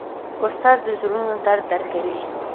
استاد د زړونو درد درک کوي.